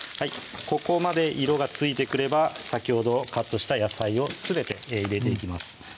ここまで色がついてくれば先ほどカットした野菜をすべて入れていきます